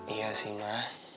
iya sih ma